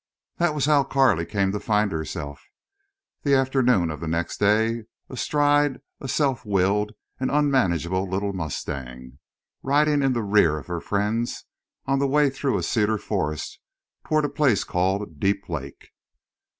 That was how Carley came to find herself, the afternoon of the next day, astride a self willed and unmanageable little mustang, riding in the rear of her friends, on the way through a cedar forest toward a place called Deep Lake.